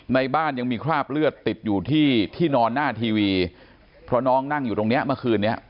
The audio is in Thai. ในบ้านยังมีคราบเลือดติดอยู่ที่ที่นอนหน้าทีวีเพราะน้องนั่งอยู่ตรงเนี้ยเมื่อคืนนี้